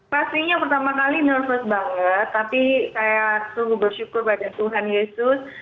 pastinya pertama kali nervous banget tapi saya sungguh bersyukur pada tuhan yesus